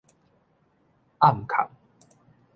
暗崁